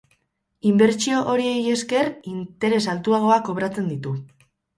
Inbertsio horiei esker interes altuagoak kobratzen ditu.